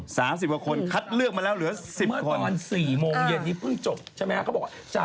ก็ฉันเป็นคนที่ว่าเพื่อนรักไงเพื่อนเยอะไงโอเคปะล่ะก็มีแต่เธอคนเดียวแหละที่ไม่เคยมาต่อให้เชิญเธอก็ไม่มา